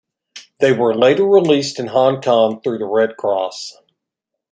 They were later released in Hong Kong through the Red Cross.